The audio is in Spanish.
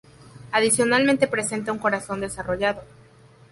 Adicionalmente presentan un corazón desarrollado.